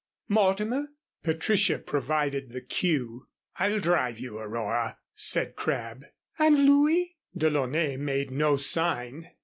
"Mortimer," Patricia provided the cue. "I'll drive you, Aurora," said Crabb. "And Louis?" DeLaunay made no sign.